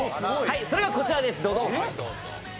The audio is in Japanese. それがこちらです。